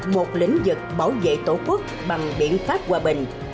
một lĩnh vực bảo vệ tổ quốc bằng biện pháp hòa bình